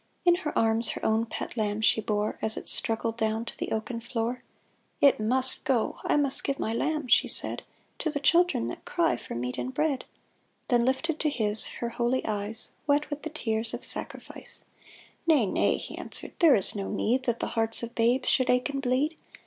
In her arms her own pet lamb she bore, As it struggled down to the oaken floor :" It must go ; I must give my lamb," she said, " To the children that cry for meat and bread," Then lifted to his her holy eyes, Wet with the tears of sacrifice. " Nay, nay," he answered. "There is no need That the hearts of babes should ache and bleed.